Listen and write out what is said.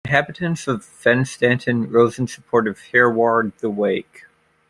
The inhabitants of Fenstanton rose in support of Hereward the Wake.